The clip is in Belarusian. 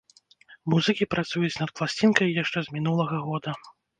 Музыкі працуюць над пласцінкай яшчэ з мінулага года.